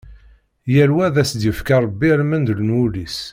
Yal wa, ad as-d-yefk Ṛebbi almend n wul-is.